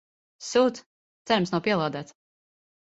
Sūds, cerams nav pielādēts.